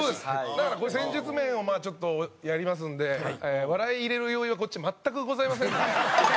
だから、戦術面をちょっと、やりますんで笑い入れる余裕はこっちは全くございませんので。